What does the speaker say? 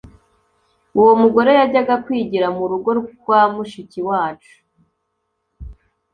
Uwo mugore yajyaga kwigira mu rugo rwa mushiki wacu